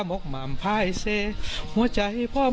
เพลงที่สุดท้ายเสียเต้ยมาเสียชีวิตค่ะ